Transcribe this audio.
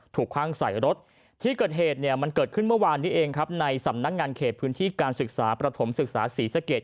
คว่างใส่รถที่เกิดเหตุเนี่ยมันเกิดขึ้นเมื่อวานนี้เองครับในสำนักงานเขตพื้นที่การศึกษาประถมศึกษาศรีสะเกด